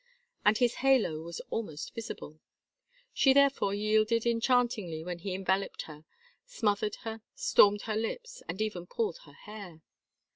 And his halo was almost visible. She therefore yielded enchantingly when he enveloped her, smothered her, stormed her lips, and even pulled her hair.